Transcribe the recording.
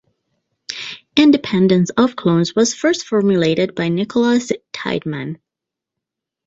Independence of clones was first formulated by Nicolaus Tideman.